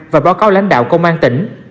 và báo cáo lãnh đạo công an tỉnh